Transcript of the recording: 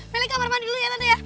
meli kamar mandi dulu ya tante ya